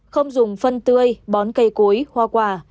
không dùng phân tươi bón cây cối hoa quả